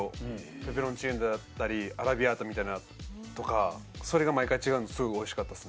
ペペロンチーノであったり、アラビアータみたいなのとか、それが毎回違うので、すごく美味しかったです。